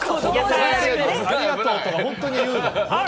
ありがとうとか、本当に言うの。